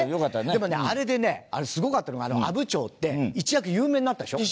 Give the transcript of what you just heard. でもねあれでねすごかったのが阿武町って一躍有名になったでしょ？